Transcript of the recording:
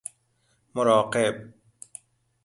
مراقب